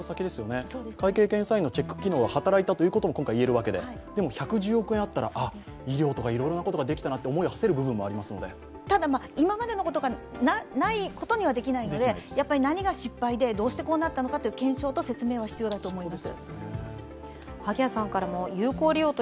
会計検査院のチェック機能が働いたとも今回言えるわけで、でも１１０億円あったら、医療とかいろいろなことができたなと思いをはせることもできるのでただ、今までのことがないことにはできないので何が失敗で、どうしてこうなったのかという検証と説明は必要だと思います。